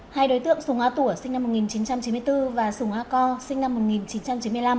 hai đối tượng sùng a tủa sinh năm một nghìn chín trăm chín mươi bốn và sùng a co sinh năm một nghìn chín trăm chín mươi năm